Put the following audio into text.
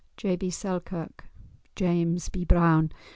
"J. B. Selkirk" (JAMES B. BROWN).